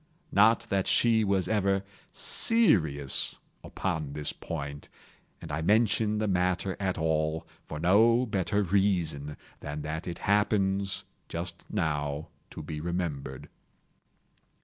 Not that she was ever serious upon this point—and I mention the matter at all for no better reason than that it happens, just now, to be remembered.